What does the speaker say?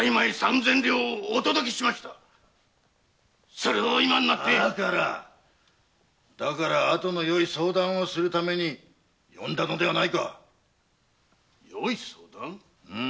それを今になってだから後のよい相談をするために呼んだのではないかよい相談？